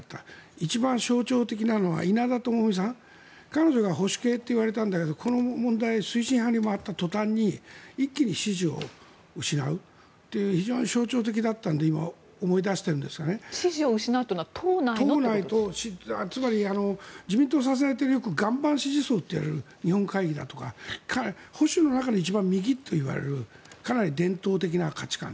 一番象徴的なのは稲田朋美さん、彼女が保守系と言われたんだけどこの問題推進派に回ったとたんに一気に支持を失うという非常に象徴的だったので支持を失うというのは党内のつまり、自民党を支えてよく岩盤支持層と言われる日本会議だとか保守の中の一番右といわれるかなり伝統的な価値観。